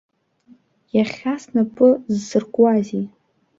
Иахьа снапы зсыркуазеи?